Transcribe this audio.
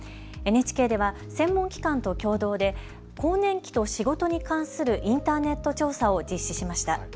ＮＨＫでは専門機関と共同で更年期と仕事に関するインターネット調査を実施しました。